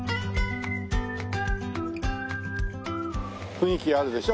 雰囲気あるでしょ？